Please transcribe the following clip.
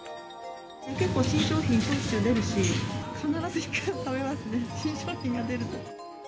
結構新商品、しょっちゅう出るし、必ず１回は食べますね、新商品が出ると。